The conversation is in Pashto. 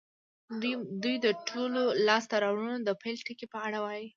دوی د ټولو لاسته راوړنو د پيل ټکي په اړه وايي.